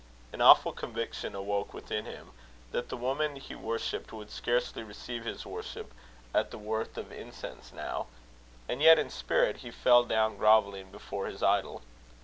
An awful conviction awoke within him, that the woman he worshipped would scarcely receive his worship at the worth of incense now; and yet in spirit he fell down grovelling before his idol.